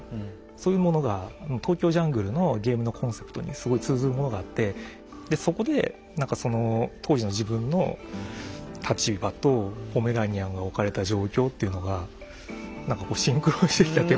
そういうものが「ＴＯＫＹＯＪＵＮＧＬＥ」のゲームのコンセプトにすごい通ずるものがあってでそこで何かその当時の自分の立場とポメラニアンが置かれた状況っていうのが何かシンクロしてきたっていうか作っていく中で。